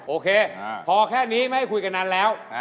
โอเคพอแค่นี้ไม่ให้คุยกันนานแล้ว